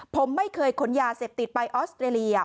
ผมไม่เคยขนยาเสพติดไปออสเตรเลีย